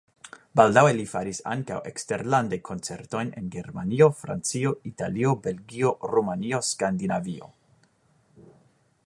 Baldaŭe li faris ankaŭ eksterlande koncertojn en Germanio, Francio, Italio, Belgio, Rumanio, Skandinavio.